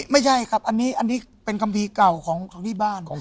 ไม่ใช่ครับอันนี้เป็นคัมภีร์เก่าของที่บ้าน